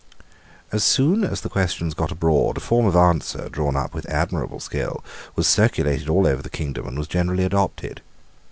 As soon as the questions got abroad, a form of answer, drawn up with admirable skill, was circulated all over the kingdom, and was generally adopted.